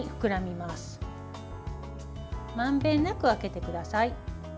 まんべんなく開けてください。